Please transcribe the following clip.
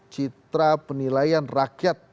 citra penilaian rakyat